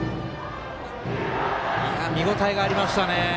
見応えがありましたね。